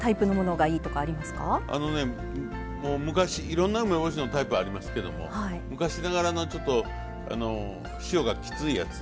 いろんな梅干しのタイプありますけども昔ながらのちょっと塩がきついやつ。